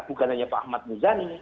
bukan hanya pak ahmad muzani